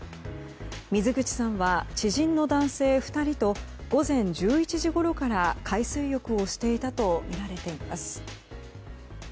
水口さんは知人の男性２人と午前１１時ごろから海水浴をしていたとみられています。